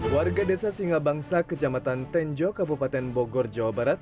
warga desa singa bangsa kecamatan tenjo kabupaten bogor jawa barat